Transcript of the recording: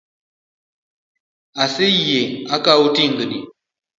Aseyie akawo ting’ni